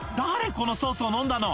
このソースを飲んだの！」